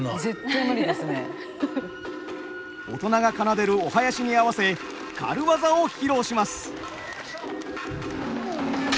大人が奏でるお囃子に合わせ軽業を披露します。